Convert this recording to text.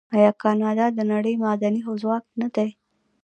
آیا کاناډا د نړۍ معدني ځواک نه دی؟